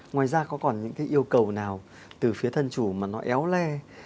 ngoài ra có còn những cái yêu cầu nào từ phía thân chủ mà nó éo le